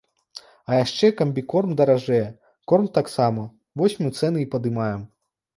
А яшчэ камбікорм даражэе, корм таксама, вось мы цэны і падымаем.